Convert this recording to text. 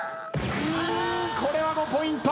これは５ポイント。